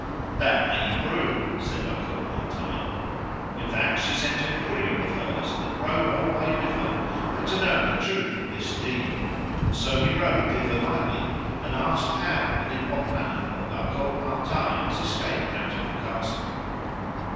That may ye prove, said La Cote Male Taile. With that she sent a courier of hers, that rode alway with her, for to know the truth of this deed; and so he rode thither lightly, and asked how and in what manner that La Cote Male Taile was escaped out of the castle.